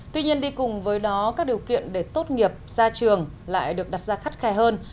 tuy nhiên đi cùng với đó các điều kiện để tốt nghiệp ra trường lại được đặt ra khắt khe hơn